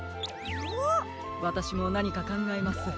わたしもなにかかんがえます。